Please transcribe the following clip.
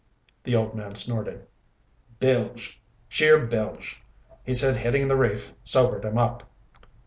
The old man snorted. "Bilge! Sheer bilge! He said hitting the reef sobered him up."